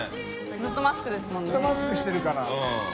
ずっとマスクしてるから。